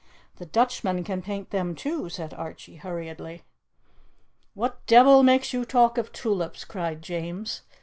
"The Dutchmen can paint them too," said Archie hurriedly. "What devil makes you talk of tulips?" cried James.